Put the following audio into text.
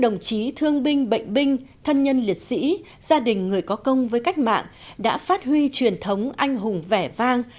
đồng chí thương binh bệnh binh thân nhân liệt sĩ gia đình người có công với cách mạng đã phát huy truyền thống anh hùng vẻ vang